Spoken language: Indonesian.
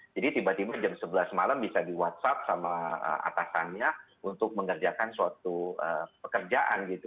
jadi tiba tiba jam sebelas malam bisa di whatsapp sama atasannya untuk mengerjakan suatu pekerjaan gitu